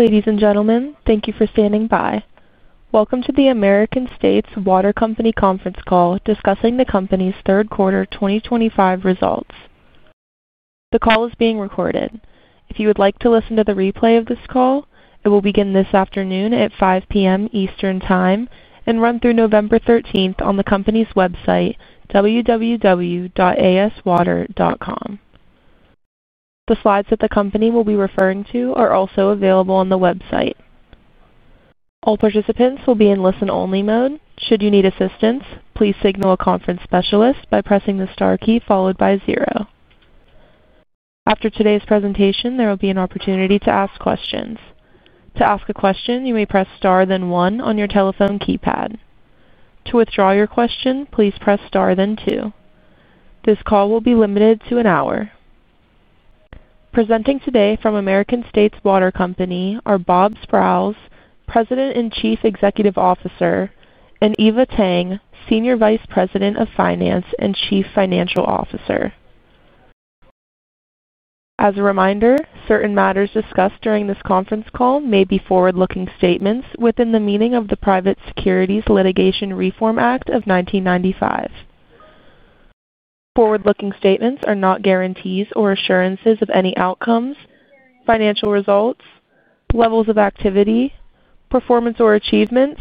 Ladies and gentlemen, thank you for standing by. Welcome to the American States Water Company conference call discussing the company's third quarter 2025 results. The call is being recorded. If you would like to listen to the replay of this call, it will begin this afternoon at 5:00 P.M. Eastern Time and run through November 13th on the company's website, www.aswater.com. The slides that the company will be referring to are also available on the website. All participants will be in listen-only mode. Should you need assistance, please signal a conference specialist by pressing the star key followed by zero. After today's presentation, there will be an opportunity to ask questions. To ask a question, you may press star then one on your telephone keypad. To withdraw your question, please press star then two. This call will be limited to an hour. Presenting today from American States Water Company are Bob Sprowls, President and Chief Executive Officer, and Eva Tang, Senior Vice President of Finance and Chief Financial Officer. As a reminder, certain matters discussed during this conference call may be forward-looking statements within the meaning of the Private Securities Litigation Reform Act of 1995. Forward-looking statements are not guarantees or assurances of any outcomes, financial results, levels of activity, performance or achievements,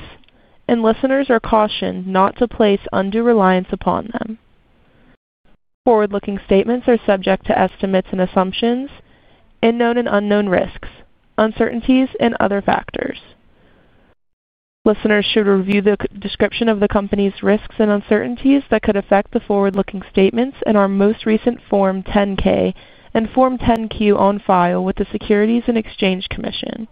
and listeners are cautioned not to place undue reliance upon them. Forward-looking statements are subject to estimates and assumptions, unknown and unknown risks, uncertainties, and other factors. Listeners should review the description of the company's risks and uncertainties that could affect the forward-looking statements in our most recent Form 10-K and Form 10-Q on file with the Securities and Exchange Commission.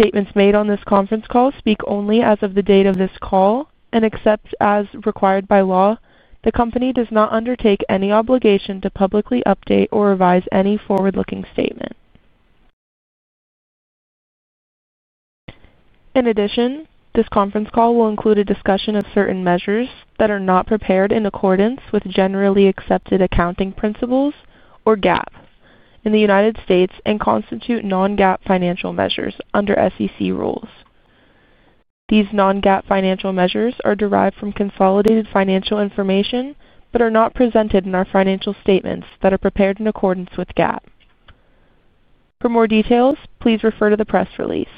Statements made on this conference call speak only as of the date of this call and, except as required by law, the company does not undertake any obligation to publicly update or revise any forward-looking statement. In addition, this conference call will include a discussion of certain measures that are not prepared in accordance with generally accepted accounting principles or GAAP in the United States and constitute non-GAAP financial measures under SEC rules. These non-GAAP financial measures are derived from consolidated financial information but are not presented in our financial statements that are prepared in accordance with GAAP. For more details, please refer to the press release.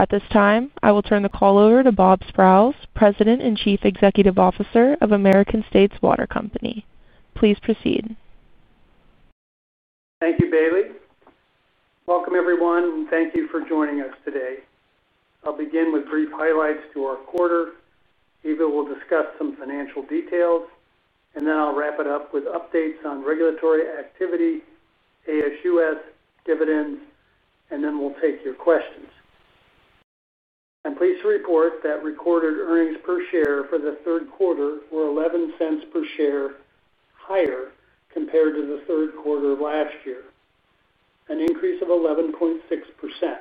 At this time, I will turn the call over to Bob Sprowls, President and Chief Executive Officer of American States Water Company. Please proceed. Thank you, Bailey. Welcome, everyone, and thank you for joining us today. I'll begin with brief highlights to our quarter. Eva will discuss some financial details, and then I'll wrap it up with updates on regulatory activity, ASUS, dividends, and then we'll take your questions. I'm pleased to report that recorded earnings per share for the third quarter were $0.11 per share higher compared to the third quarter of last year, an increase of 11.6%.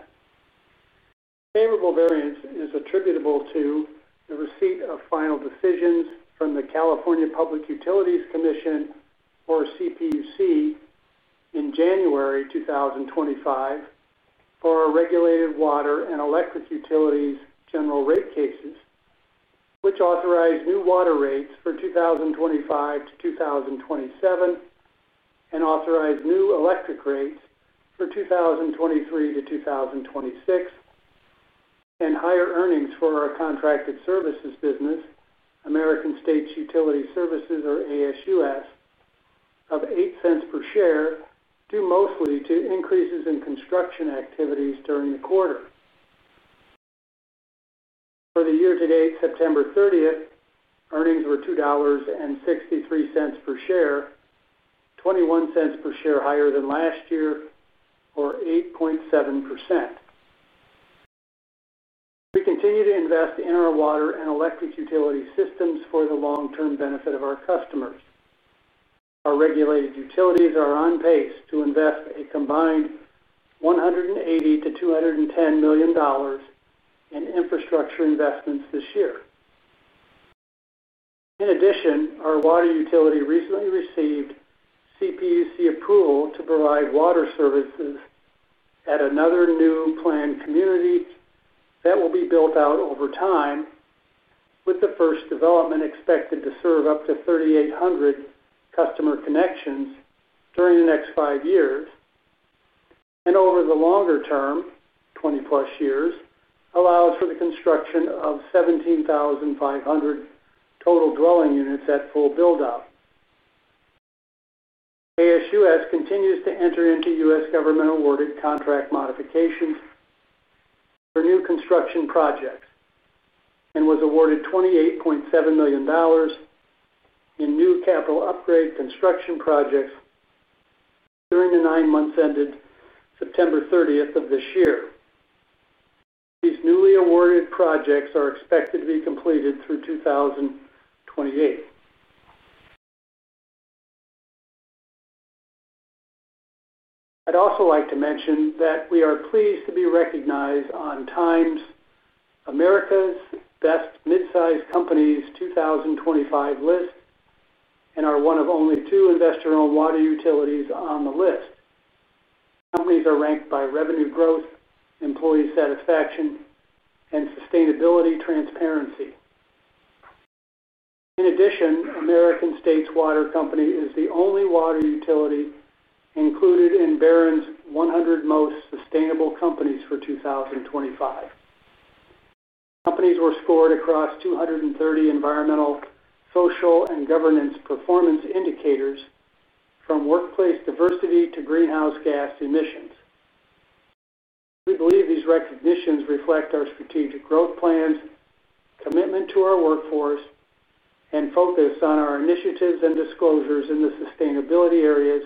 Favorable variance is attributable to the receipt of final decisions from the California Public Utilities Commission, or CPUC, in January 2025 for our regulated water and electric utilities general rate cases, which authorized new water rates for 2025 to 2027 and authorized new electric rates for 2023 to 2026, and higher earnings for our contracted services business, American States Utility Services, or ASUS. Of $0.08 per share, due mostly to increases in construction activities during the quarter. For the year-to-date September 30, earnings were $2.63 per share, $0.21 per share higher than last year, or 8.7%. We continue to invest in our water and electric utility systems for the long-term benefit of our customers. Our regulated utilities are on pace to invest a combined $180 million-$210 million in infrastructure investments this year. In addition, our water utility recently received CPUC approval to provide water services at another new planned community that will be built out over time, with the first development expected to serve up to 3,800 customer connections during the next five years. Over the longer term, 20-plus years, it allows for the construction of 17,500 total dwelling units at full build-up. ASUS continues to enter into U.S. government-awarded contract modifications for new construction projects. We were awarded $28.7 million in new capital upgrade construction projects during the nine months ended September 30 of this year. These newly awarded projects are expected to be completed through 2028. I would also like to mention that we are pleased to be recognized on TIME's America's Best Mid-Sized Companies 2025 list and are one of only two investor-owned water utilities on the list. Companies are ranked by revenue growth, employee satisfaction, and sustainability transparency. In addition, American States Water Company is the only water utility included in Barron's 100 Most Sustainable Companies for 2025. Companies were scored across 230 environmental, social, and governance performance indicators, from workplace diversity to greenhouse gas emissions. We believe these recognitions reflect our strategic growth plans, commitment to our workforce, and focus on our initiatives and disclosures in the sustainability areas,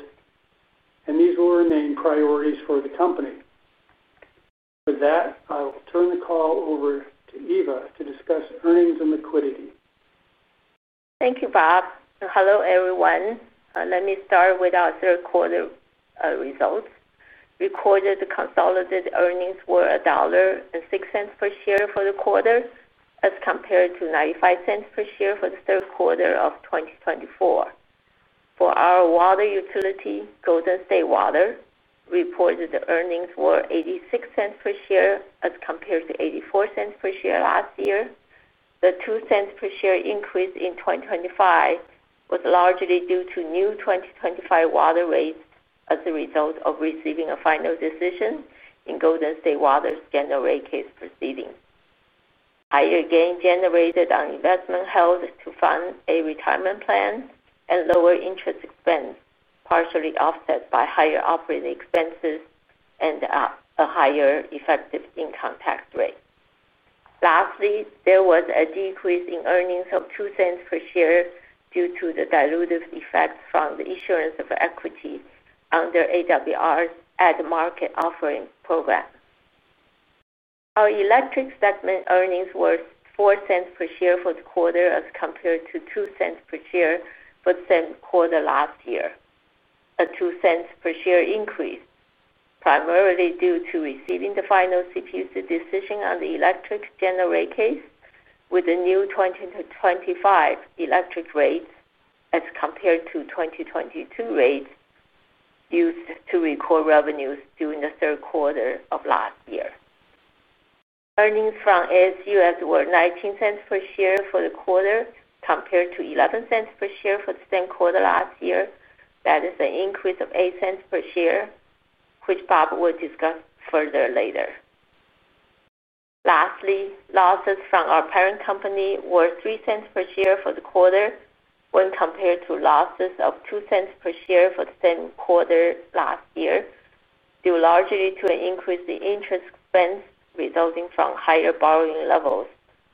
and these will remain priorities for the company. With that, I will turn the call over to Eva to discuss earnings and liquidity. Thank you, Bob. Hello, everyone. Let me start with our third quarter results. Recorded consolidated earnings were $1.06 per share for the quarter as compared to $0.95 per share for the third quarter of 2024. For our water utility, Golden State Water, reported earnings were $0.86 per share as compared to $0.84 per share last year. The 2 cents per share increase in 2025 was largely due to new 2025 water rates as a result of receiving a final decision in Golden State Water's general rate case proceedings. Higher gain generated on investment held to fund a retirement plan and lower interest expense, partially offset by higher operating expenses and a higher effective income tax rate. Lastly, there was a decrease in earnings of 2 cents per share due to the dilutive effect from the issuance of equity under AWR's Add Market Offering Program. Our electric segment earnings were $0.04 per share for the quarter as compared to $0.02 per share for the same quarter last year, a $0.02 per share increase, primarily due to receiving the final CPUC decision on the electric general rate case with the new 2025 electric rates as compared to 2022 rates. Used to record revenues during the third quarter of last year. Earnings from ASUS were $0.19 per share for the quarter compared to $0.11 per share for the same quarter last year. That is an increase of $0.08 per share, which Bob will discuss further later. Lastly, losses from our parent company were $0.03 per share for the quarter when compared to losses of $0.02 per share for the same quarter last year, due largely to an increase in interest expense resulting from higher borrowing levels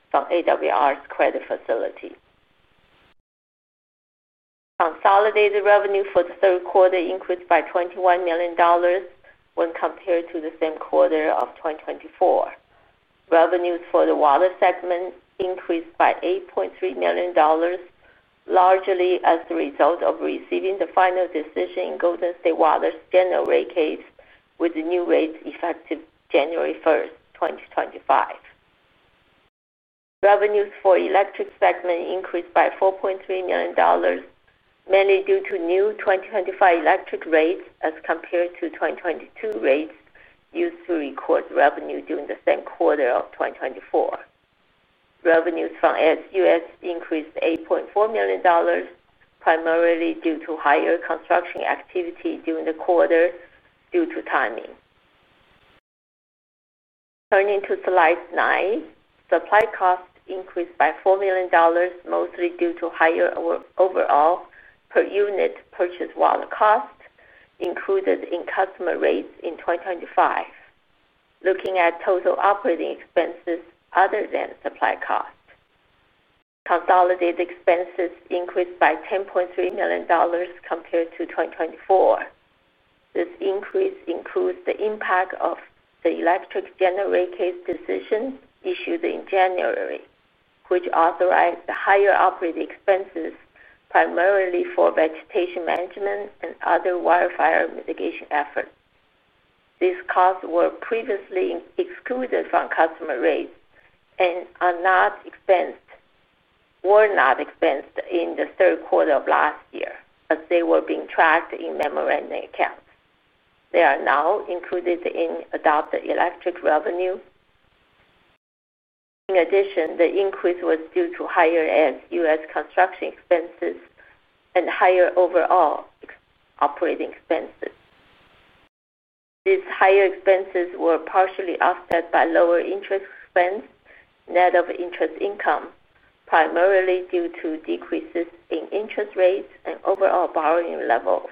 from AWR's credit facility. Consolidated revenue for the third quarter increased by $21 million when compared to the same quarter of 2024. Revenues for the water segment increased by $8.3 million, largely as the result of receiving the final decision in Golden State Water's general rate case with the new rates effective January 1, 2025. Revenues for the electric segment increased by $4.3 million, mainly due to new 2025 electric rates as compared to 2022 rates used to record revenue during the same quarter of 2024. Revenues from ASUS increased $8.4 million, primarily due to higher construction activity during the quarter due to timing. Turning to slide nine, supply costs increased by $4 million, mostly due to higher overall per unit purchase water cost. Included in customer rates in 2025. Looking at total operating expenses other than supply cost, consolidated expenses increased by $10.3 million compared to 2024. This increase includes the impact of the electric general rate case decision issued in January, which authorized the higher operating expenses primarily for vegetation management and other wildfire mitigation efforts. These costs were previously excluded from customer rates and were not expensed in the third quarter of last year as they were being tracked in memorandum accounts. They are now included in adopted electric revenue. In addition, the increase was due to higher ASUS construction expenses and higher overall operating expenses. These higher expenses were partially offset by lower interest expense, net of interest income, primarily due to decreases in interest rates and overall borrowing levels,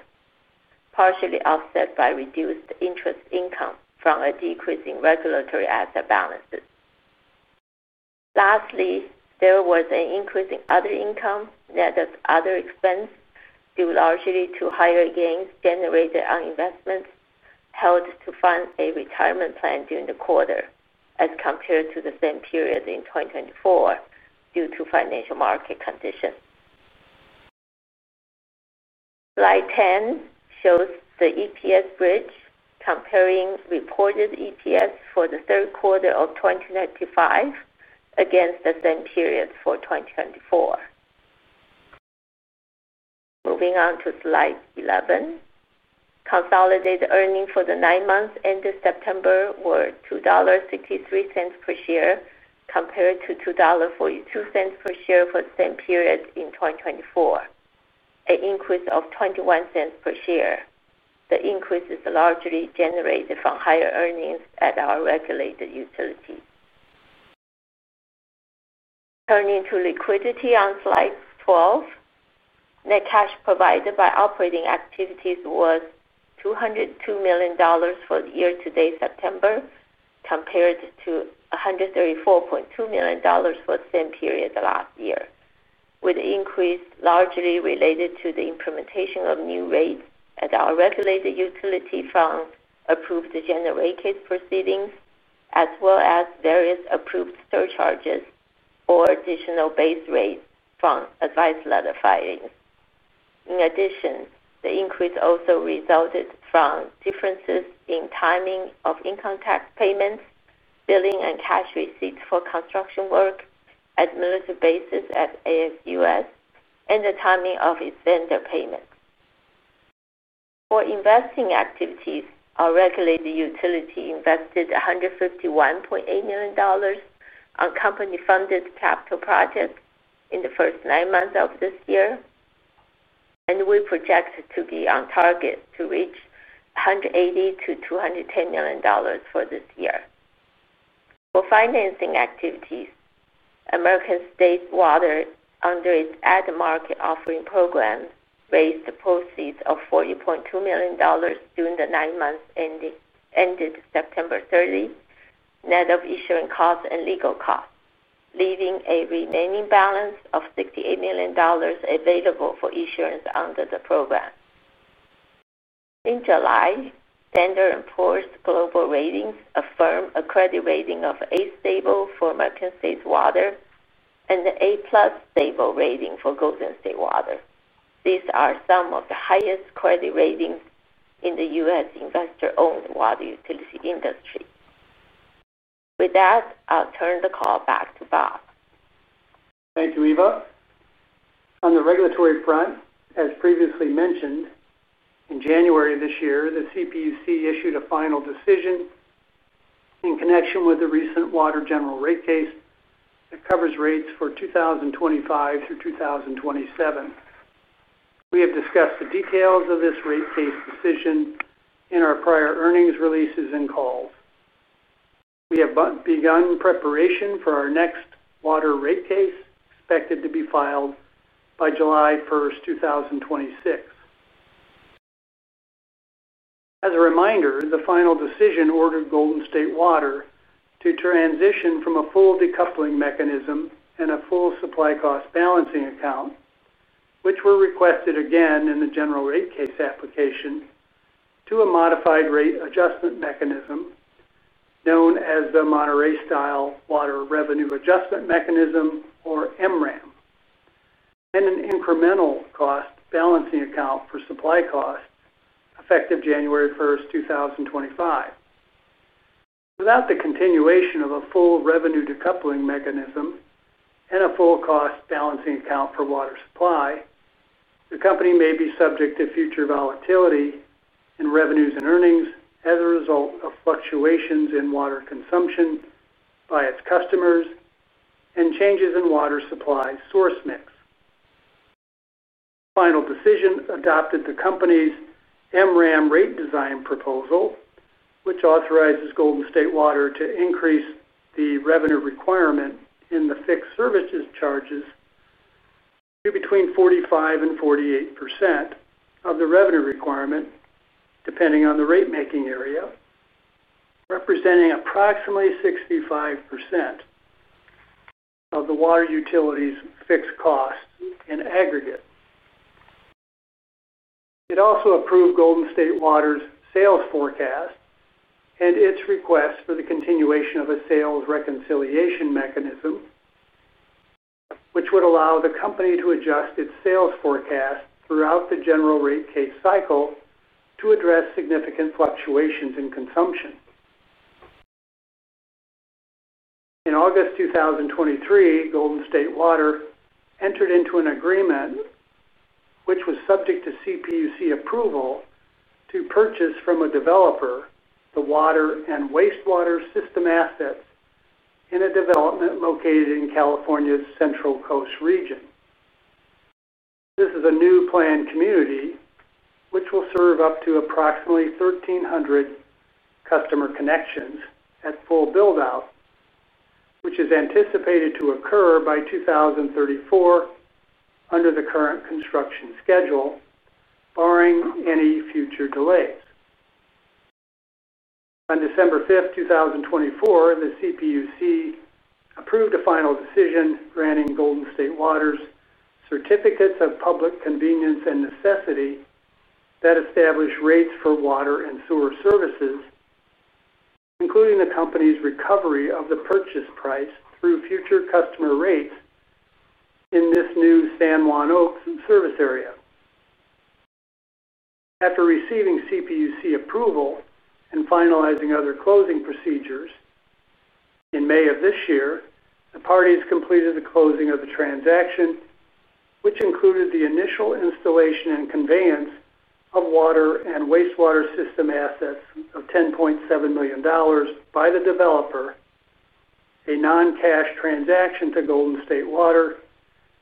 partially offset by reduced interest income from a decrease in regulatory asset balances. Lastly, there was an increase in other income, net of other expense, due largely to higher gains generated on investments held to fund a retirement plan during the quarter as compared to the same period in 2024 due to financial market conditions. Slide 10 shows the EPS bridge comparing reported EPS for the third quarter of 2025 against the same period for 2024. Moving on to slide 11. Consolidated earnings for the nine months ended September were $2.63 per share compared to $2.42 per share for the same period in 2024, an increase of $0.21 per share. The increase is largely generated from higher earnings at our regulated utility. Turning to liquidity on slide 12. Net cash provided by operating activities was $202 million for the year-to-date September, compared to $134.2 million for the same period last year, with the increase largely related to the implementation of new rates at our regulated utility from approved general rate case proceedings, as well as various approved surcharges or additional base rates from advice letter filings. In addition, the increase also resulted from differences in timing of income tax payments, billing, and cash receipts for construction work, as a monthly basis at ASUS and the timing of its vendor payments. For investing activities, our regulated utility invested $151.8 million on company-funded capital projects in the first nine months of this year, and we project to be on target to reach $180 million-$210 million for this year. For financing activities. American States Water, under its Add Market Offering Program, raised a proceeds of $40.2 million during the nine months ended September 30, net of issuing costs and legal costs, leaving a remaining balance of $68 million available for issuance under the program. In July, S&P Global Ratings affirmed a credit rating of A stable for American States Water and the A-plus stable rating for Golden State Water. These are some of the highest credit ratings in the U.S. investor-owned water utility industry. With that, I'll turn the call back to Bob. Thank you, Eva. On the regulatory front, as previously mentioned, in January of this year, the CPUC issued a final decision. In connection with the recent water general rate case that covers rates for 2025 through 2027. We have discussed the details of this rate case decision in our prior earnings releases and calls. We have begun preparation for our next water rate case, expected to be filed by July 1, 2026. As a reminder, the final decision ordered Golden State Water to transition from a full decoupling mechanism and a full supply cost balancing account, which were requested again in the general rate case application, to a modified rate adjustment mechanism. Known as the Monterey-Style Water Revenue Adjustment Mechanism, or MRAM. And an incremental cost balancing account for supply costs effective January 1, 2025. Without the continuation of a full revenue decoupling mechanism. A full cost balancing account for water supply. The company may be subject to future volatility in revenues and earnings as a result of fluctuations in water consumption by its customers and changes in water supply source mix. The final decision adopted the company's MRAM rate design proposal, which authorizes Golden State Water to increase the revenue requirement in the fixed services charges to between 45%-48% of the revenue requirement, depending on the rate-making area, representing approximately 65% of the water utility's fixed costs in aggregate. It also approved Golden State Water's sales forecast and its request for the continuation of a sales reconciliation mechanism, which would allow the company to adjust its sales forecast throughout the general rate case cycle to address significant fluctuations in consumption. In August 2023, Golden State Water entered into an agreement. Which was subject to CPUC approval to purchase from a developer the water and wastewater system assets in a development located in California's Central Coast region. This is a new planned community which will serve up to approximately 1,300 customer connections at full build-out, which is anticipated to occur by 2034 under the current construction schedule, barring any future delays. On December 5th, 2024, the CPUC approved a final decision granting Golden State Water certificates of public convenience and necessity that establish rates for water and sewer services, including the company's recovery of the purchase price through future customer rates in this new San Juan Oaks service area. After receiving CPUC approval and finalizing other closing procedures, in May of this year, the parties completed the closing of the transaction, which included the initial installation and conveyance of water and wastewater system assets of $10.7 million by the developer. A non-cash transaction to Golden State Water.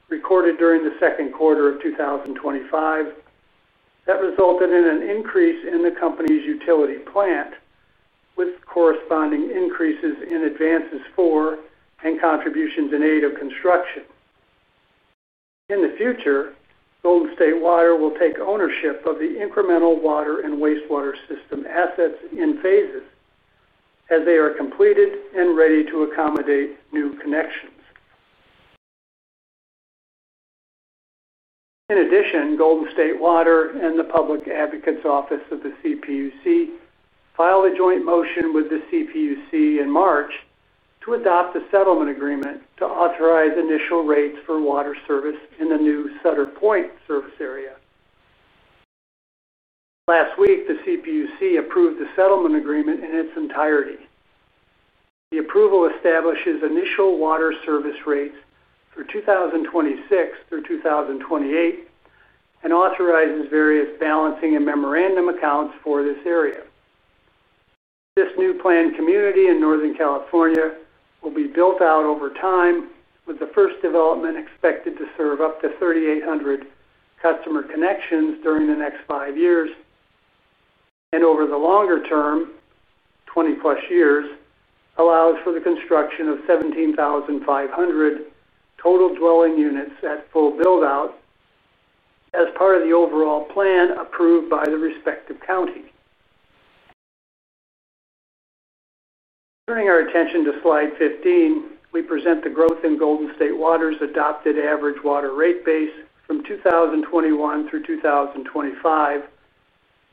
Recorded during the second quarter of 2025. That resulted in an increase in the company's utility plant, with corresponding increases in advances for and contributions in aid of construction. In the future, Golden State Water will take ownership of the incremental water and wastewater system assets in phases as they are completed and ready to accommodate new connections. In addition, Golden State Water and the Public Advocates Office of the CPUC filed a joint motion with the CPUC in March to adopt a settlement agreement to authorize initial rates for water service in the new Sutter Pointe service area. Last week, the CPUC approved the settlement agreement in its entirety. The approval establishes initial water service rates for 2026 through 2028 and authorizes various balancing and memorandum accounts for this area. This new planned community in Northern California will be built out over time, with the first development expected to serve up to 3,800 customer connections during the next five years. Over the longer term, 20-plus years, allows for the construction of 17,500 total dwelling units at full build-out as part of the overall plan approved by the respective county. Turning our attention to slide 15, we present the growth in Golden State Water's adopted average water rate base from 2021 through 2025,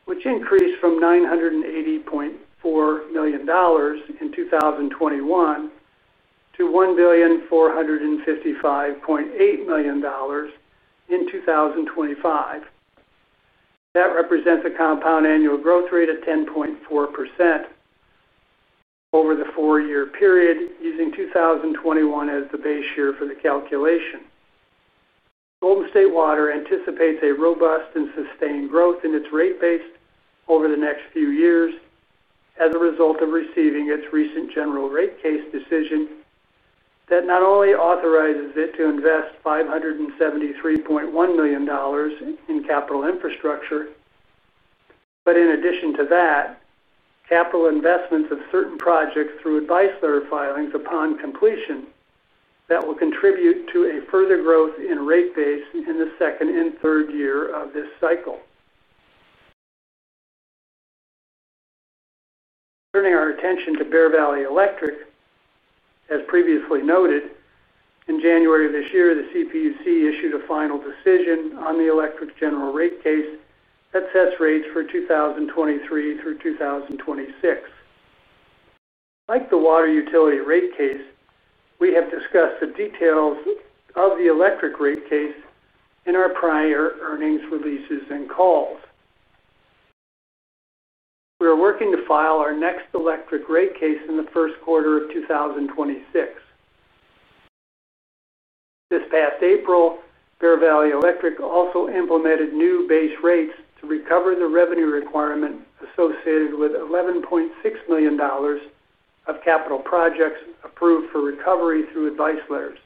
which increased from $980.4 million in 2021 to $1,455.8 million in 2025. That represents a compound annual growth rate of 10.4% over the four-year period, using 2021 as the base year for the calculation. Golden State Water anticipates a robust and sustained growth in its rate base over the next few years as a result of receiving its recent general rate case decision. That not only authorizes it to invest $573.1 million in capital infrastructure. In addition to that, capital investments of certain projects through Advice Letter Filings upon completion will contribute to a further growth in rate base in the second and third year of this cycle. Turning our attention to Bear Valley Electric. As previously noted, in January of this year, the California Public Utilities Commission issued a final decision on the electric General Rate Case that sets rates for 2023 through 2026. Like the water utility rate case, we have discussed the details of the electric rate case in our prior earnings releases and calls. We are working to file our next electric rate case in the first quarter of 2026. This past April, Bear Valley Electric also implemented new base rates to recover the revenue requirement associated with $11.6 million of capital projects approved for recovery through Advice Letters.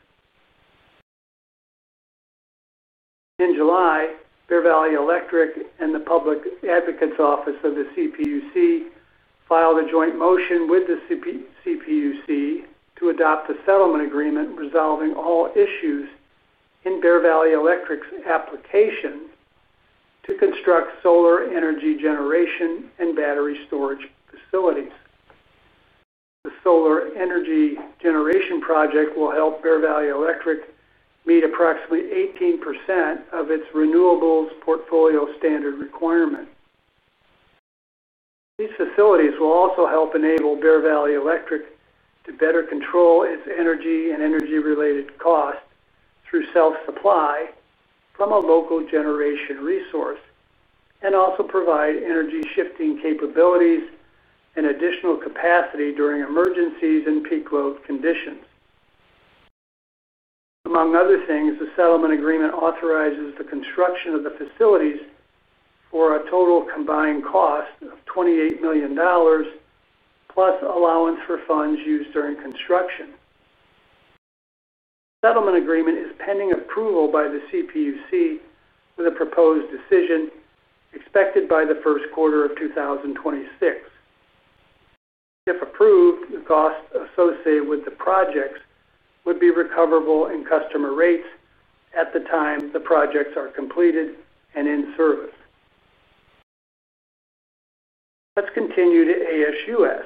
In July, Bear Valley Electric and the Public Advocates Office of the CPUC filed a joint motion with the CPUC to adopt a settlement agreement resolving all issues in Bear Valley Electric's application to construct solar energy generation and battery storage facilities. The solar energy generation project will help Bear Valley Electric meet approximately 18% of its renewables portfolio standard requirement. These facilities will also help enable Bear Valley Electric to better control its energy and energy-related costs through self-supply from a local generation resource and also provide energy shifting capabilities and additional capacity during emergencies and peak load conditions. Among other things, the settlement agreement authorizes the construction of the facilities for a total combined cost of $28 million plus allowance for funds used during construction. The settlement agreement is pending approval by the CPUC with a proposed decision expected by the first quarter of 2026. If approved, the cost associated with the projects would be recoverable in customer rates at the time the projects are completed and in service. Let's continue to ASUS,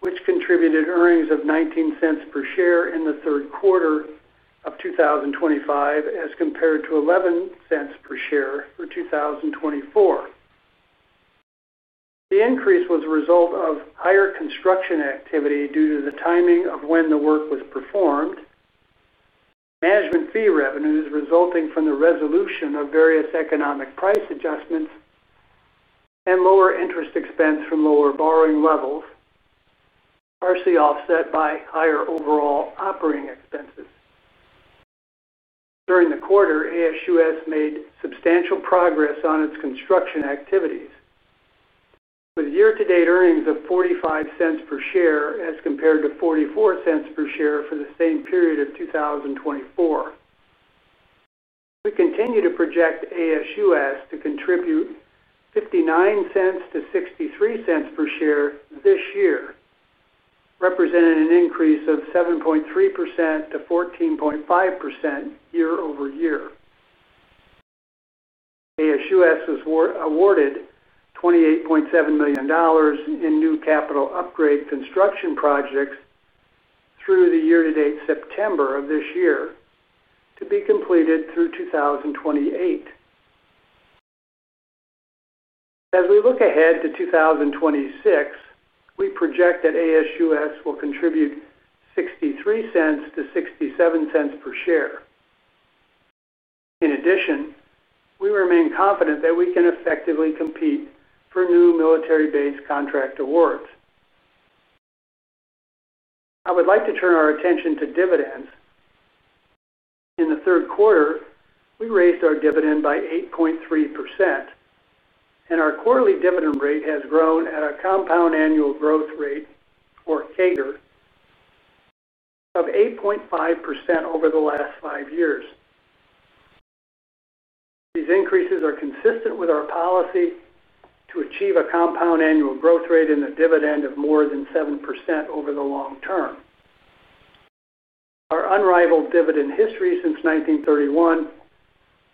which contributed earnings of $0.19 per share in the third quarter of 2025 as compared to $0.11 per share for 2024. The increase was a result of higher construction activity due to the timing of when the work was performed. Management fee revenues resulting from the resolution of various economic price adjustments. Lower interest expense from lower borrowing levels. Partially offset by higher overall operating expenses. During the quarter, ASUS made substantial progress on its construction activities. With year-to-date earnings of $0.45 per share as compared to $0.44 per share for the same period of 2024. We continue to project ASUS to contribute $0.59-$0.63 per share this year, representing an increase of 7.3%-14.5% year over year. ASUS was awarded $28.7 million in new capital upgrade construction projects through the year-to-date September of this year, to be completed through 2028. As we look ahead to 2026, we project that ASUS will contribute $0.63-$0.67 per share. In addition, we remain confident that we can effectively compete for new military-based contract awards. I would like to turn our attention to dividends. In the third quarter, we raised our dividend by 8.3%. Our quarterly dividend rate has grown at a compound annual growth rate, or CAGR, of 8.5% over the last five years. These increases are consistent with our policy to achieve a compound annual growth rate in the dividend of more than 7% over the long term. Our unrivaled dividend history since 1931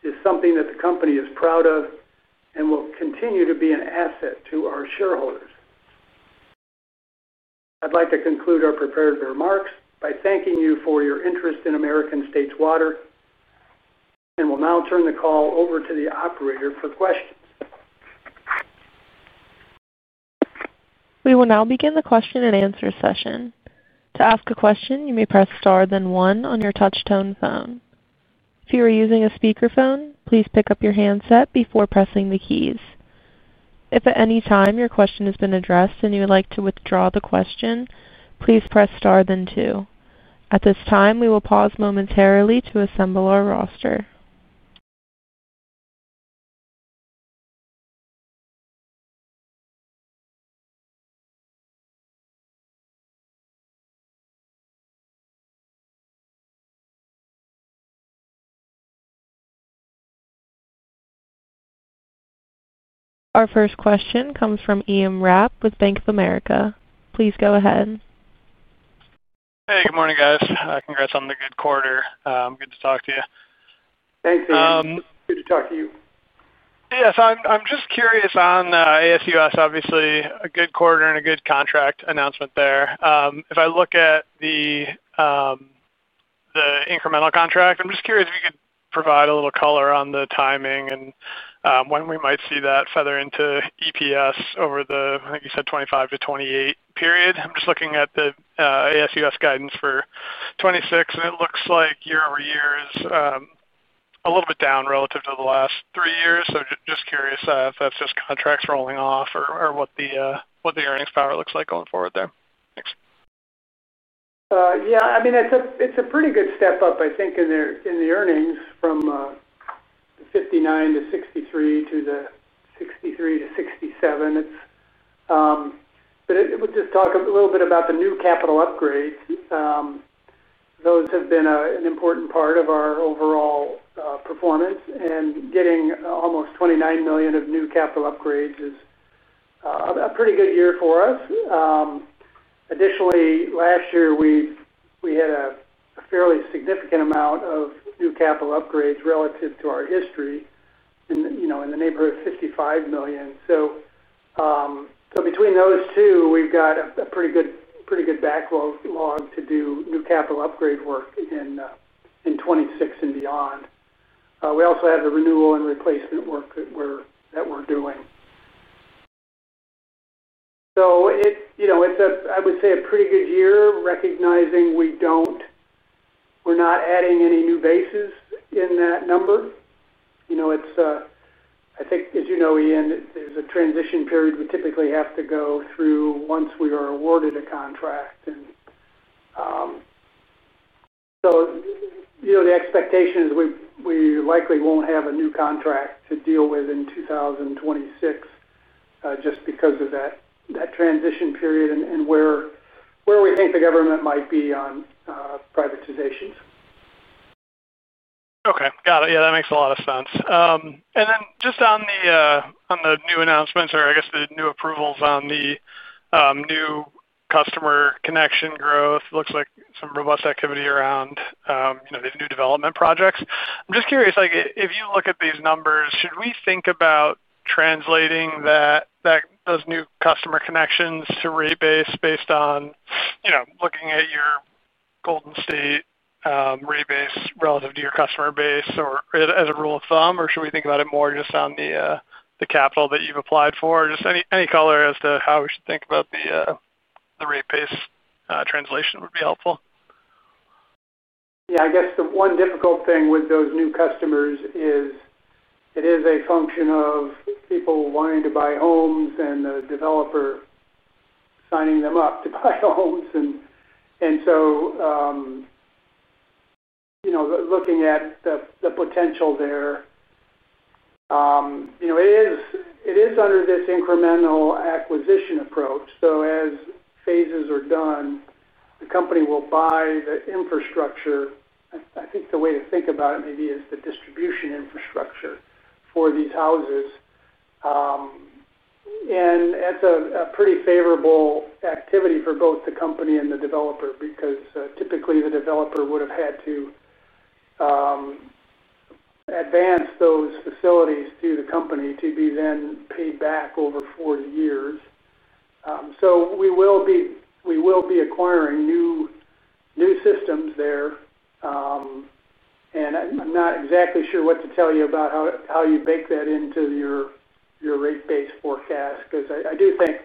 is something that the company is proud of and will continue to be an asset to our shareholders. I'd like to conclude our prepared remarks by thanking you for your interest in American States Water Company. I will now turn the call over to the operator for questions. We will now begin the question and answer session. To ask a question, you may press star then one on your touchtone phone. If you are using a speakerphone, please pick up your handset before pressing the keys. If at any time your question has been addressed and you would like to withdraw the question, please press star then two. At this time, we will pause momentarily to assemble our roster. Our first question comes from Ian Rapp with Bank of America. Please go ahead. Hey, good morning, guys. Congrats on the good quarter. Good to talk to you. Thanks, Ian. Good to talk to you. Yes, I'm just curious on ASUS, obviously a good quarter and a good contract announcement there. If I look at the incremental contract, I'm just curious if you could provide a little color on the timing and when we might see that feather into EPS over the, I think you said, 2025 to 2028 period. I'm just looking at the ASUS guidance for 2026, and it looks like year over year is a little bit down relative to the last three years. Just curious if that's just contracts rolling off or what the earnings power looks like going forward there. Thanks. Yeah, I mean, it's a pretty good step up, I think, in the earnings from the 59%-63% to the 63%-67%. We'll just talk a little bit about the new capital upgrades. Those have been an important part of our overall performance, and getting almost $29 million of new capital upgrades is a pretty good year for us. Additionally, last year we had a fairly significant amount of new capital upgrades relative to our history, in the neighborhood of $55 million. Between those two, we've got a pretty good backlog to do new capital upgrade work in 2026 and beyond. We also have the renewal and replacement work that we're doing. I would say it's a pretty good year, recognizing we're not adding any new bases in that number. I think, as you know, Ian, there's a transition period we typically have to go through once we are awarded a contract. The expectation is we likely won't have a new contract to deal with in 2026, just because of that transition period and where we think the government might be on privatizations. Okay. Got it. Yeah, that makes a lot of sense. Just on the new announcements or, I guess, the new approvals on the new customer connection growth, it looks like some robust activity around these new development projects. I'm just curious, if you look at these numbers, should we think about translating those new customer connections to rate base based on looking at your Golden State rate base relative to your customer base as a rule of thumb, or should we think about it more just on the capital that you've applied for? Just any color as to how we should think about the rate base translation would be helpful. Yeah, I guess the one difficult thing with those new customers is it is a function of people wanting to buy homes and the developer signing them up to buy homes. Looking at the potential there, it is under this incremental acquisition approach. As phases are done, the company will buy the infrastructure. I think the way to think about it maybe is the distribution infrastructure for these houses. That is a pretty favorable activity for both the company and the developer because typically the developer would have had to advance those facilities to the company to be then paid back over four years. We will be acquiring new systems there. I'm not exactly sure what to tell you about how you bake that into your rate base forecast because I do think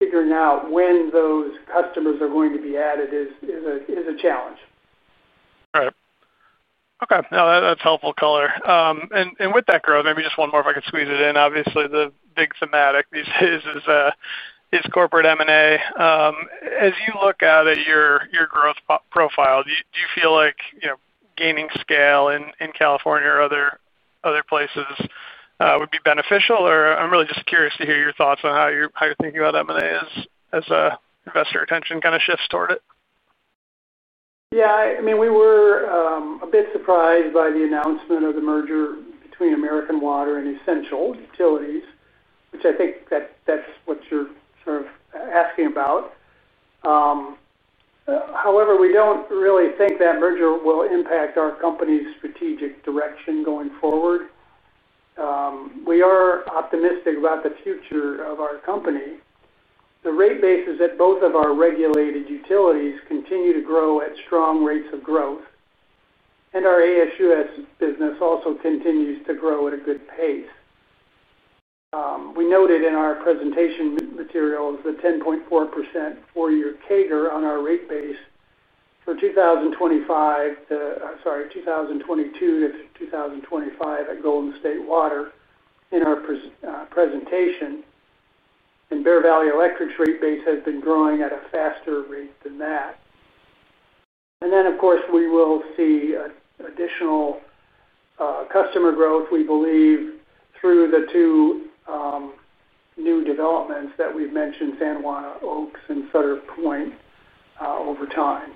figuring out when those customers are going to be added is a challenge. Right. Okay. No, that's helpful color. With that growth, maybe just one more if I could squeeze it in. Obviously, the big thematic these days is corporate M&A. As you look at your growth profile, do you feel like gaining scale in California or other places would be beneficial? I'm really just curious to hear your thoughts on how you're thinking about M&A as investor attention kind of shifts toward it. Yeah. I mean, we were a bit surprised by the announcement of the merger between American Water and Essential Utilities, which I think that's what you're sort of asking about. However, we don't really think that merger will impact our company's strategic direction going forward. We are optimistic about the future of our company. The rate bases at both of our regulated utilities continue to grow at strong rates of growth. Our ASUS business also continues to grow at a good pace. We noted in our presentation materials the 10.4% four-year CAGR on our rate base for 2022 to 2025 at Golden State Water in our presentation. Bear Valley Electric's rate base has been growing at a faster rate than that. Of course, we will see additional customer growth, we believe, through the two. New developments that we've mentioned, San Juan Oaks and Sutter Pointe, over time.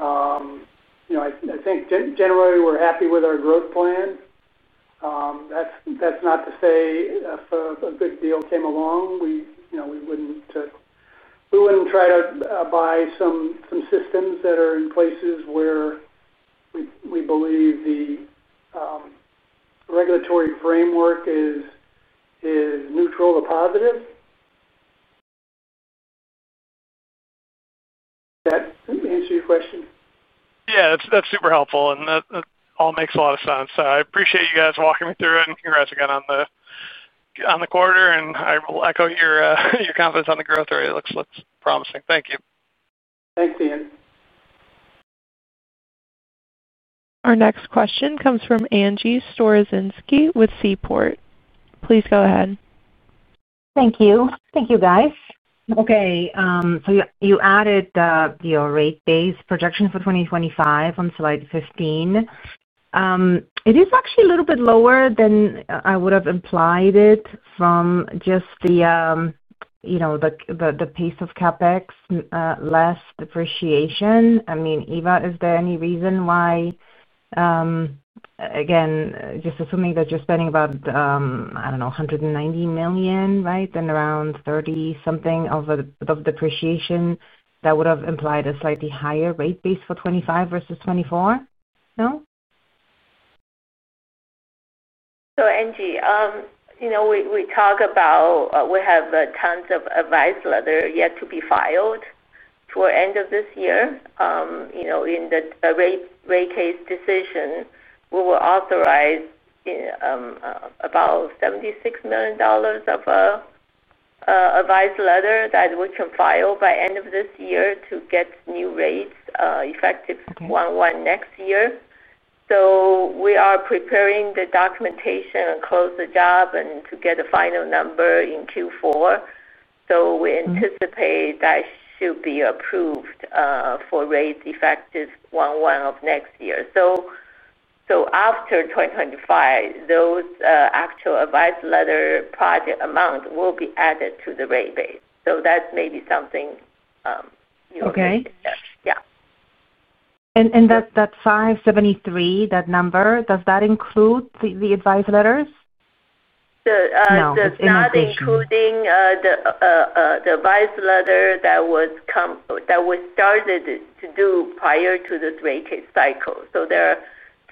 I think generally we're happy with our growth plan. That's not to say if a good deal came along, we wouldn't try to buy some systems that are in places where we believe the regulatory framework is neutral to positive. Does that answer your question? Yeah, that's super helpful. That all makes a lot of sense. I appreciate you guys walking me through it, and congrats again on the quarter. I will echo your confidence on the growth rate. It looks promising. Thank you. Thanks, Ian. Our next question comes from Angie Storozinski with Seaport. Please go ahead. Thank you. Thank you, guys. Okay. You added the rate base projection for 2025 on slide 15. It is actually a little bit lower than I would have implied from just the pace of CapEx less depreciation. I mean, Eva, is there any reason why, again, just assuming that you're spending about, I don't know, $190 million, right, and around 30-something of depreciation, that would have implied a slightly higher rate base for 2025 versus 2024? No? Angie, we talk about we have tons of advice letters yet to be filed toward the end of this year. In the rate case decision, we will authorize about $76 million of advice letters that we can file by the end of this year to get new rates effective 2021 next year. We are preparing the documentation and close the job and to get a final number in Q4. We anticipate that should be approved for rates effective 2021 of next year. After 2025, those actual advice letter project amounts will be added to the rate base. That is maybe something you are thinking of. Yeah. That 573, that number, does that include the advice letters? No. That's not including the advice letter that was started to do prior to this rate case cycle. So there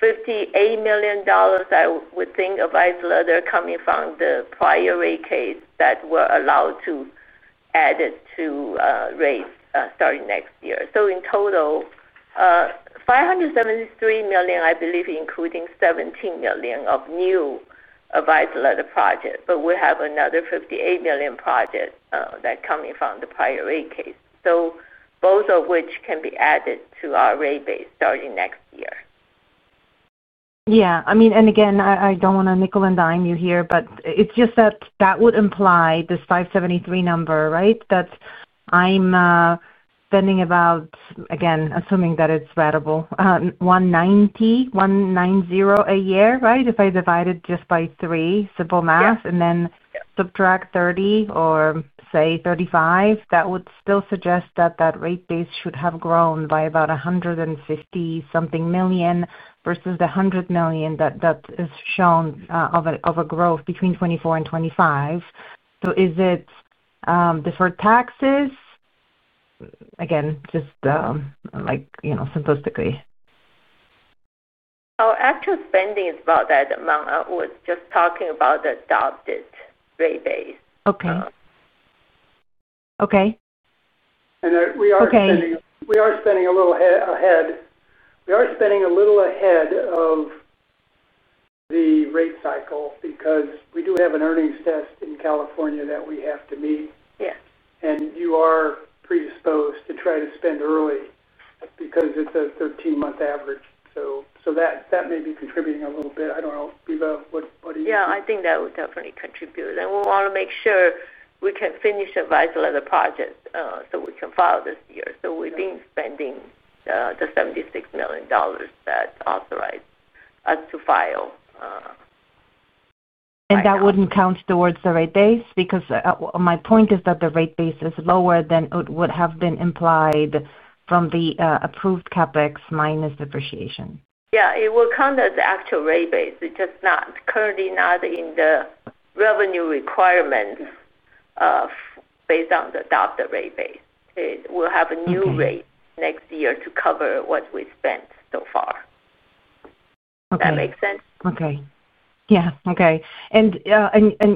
are $58 million, I would think, advice letters coming from the prior rate case that were allowed to add it to rates starting next year. In total, $573 million, I believe, including $17 million of new advice letter projects. We have another $58 million projects that are coming from the prior rate case, both of which can be added to our rate base starting next year. Yeah. I mean, and again, I do not want to nickel and dime you here, but it is just that that would imply this 573 number, right? That I am spending about, again, assuming that it is ratable, $190 a year, right? If I divide it just by three, simple math, and then subtract 30 or say 35, that would still suggest that that rate base should have grown by about $150-something million versus the $100 million that is shown of a growth between 2024 and 2025. Is it different taxes? Again, just simplistically. Our actual spending is about that amount. I was just talking about the adopted rate base. Okay. Okay. We are spending a little ahead. We are spending a little ahead of the rate cycle because we do have an earnings test in California that we have to meet. You are predisposed to try to spend early because it's a 13-month average. That may be contributing a little bit. I don't know. Eva, what do you think? Yeah, I think that would definitely contribute. We want to make sure we can finish the advice letter project so we can file this year. We have been spending the $76 million that authorized us to file. That would not count towards the rate base? Because my point is that the rate base is lower than it would have been implied from the approved CapEx minus depreciation. Yeah, it will count as the actual rate base. It's just currently not in the revenue requirements. Based on the adopted rate base. We'll have a new rate next year to cover what we spent so far. Does that make sense? Okay. Yeah. Okay. And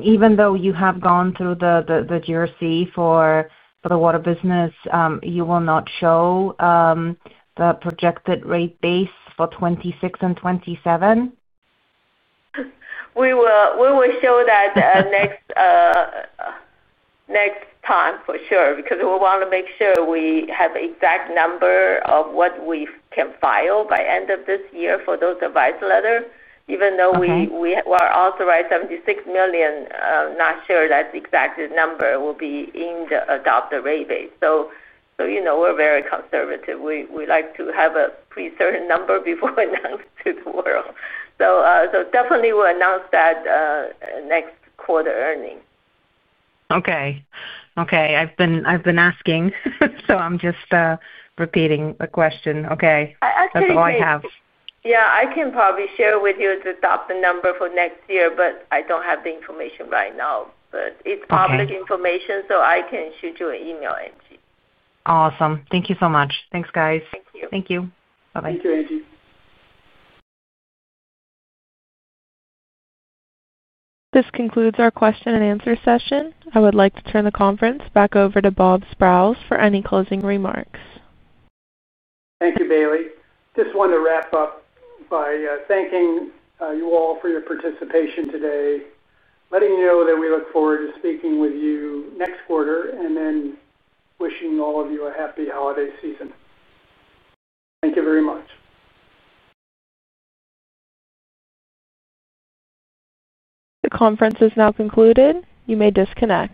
even though you have gone through the GRC for the water business, you will not show the projected rate base for 2026 and 2027? We will show that next. Time for sure because we want to make sure we have the exact number of what we can file by the end of this year for those advice letters. Even though we are authorized $76 million, I'm not sure that the exact number will be in the adopted rate base. We are very conservative. We like to have a pretty certain number before announcing it to the world. We will definitely announce that next quarter earnings. Okay. I've been asking, so I'm just repeating the question. Okay. That's all I have. Yeah. I can probably share with you the adopted number for next year, but I don't have the information right now. It is public information, so I can shoot you an email, Angie. Awesome. Thank you so much. Thanks, guys. Thank you. Thank you. Bye-bye. Thank you, Angie. This concludes our question and answer session. I would like to turn the conference back over to Bob Sprowls for any closing remarks. Thank you, Bailey. Just wanted to wrap up by thanking you all for your participation today, letting you know that we look forward to speaking with you next quarter, and then wishing all of you a happy holiday season. Thank you very much. The conference is now concluded. You may disconnect.